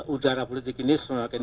udara politik ini semakin